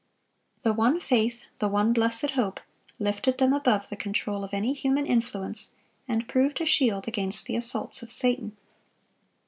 The one faith, the one blessed hope, lifted them above the control of any human influence, and proved a shield against the assaults of Satan.